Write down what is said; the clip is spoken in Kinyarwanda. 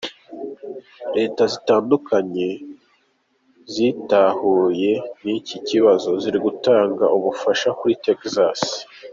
Leta zitandukanye zitahuye n’iki kibazo, ziri gutanga ubufasha kuri Texas.